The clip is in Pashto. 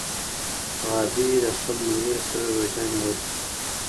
غابي د خپل ملګري سره روژه نیولې.